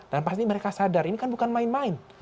dan pasti mereka sadar ini kan bukan main main